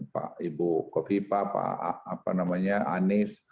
pak ibu kofifa pak anies